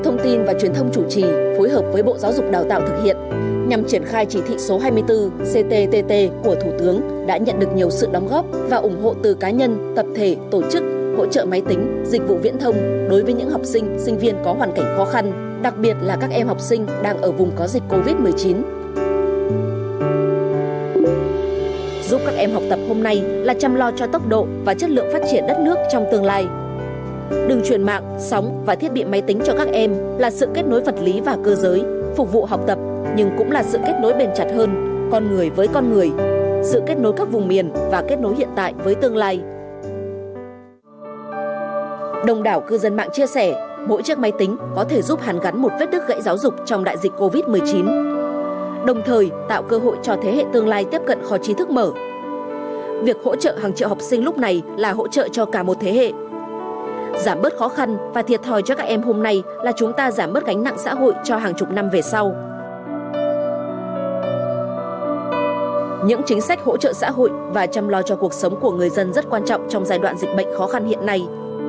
những chính sách hỗ trợ xã hội và chăm lo cho cuộc sống của người dân rất quan trọng trong giai đoạn dịch bệnh khó khăn hiện nay